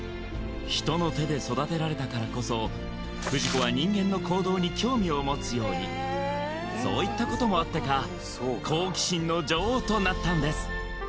人の手で育てられたからこそフジコは人間の行動に興味を持つようにそういったこともあってか好奇心の女王となったんです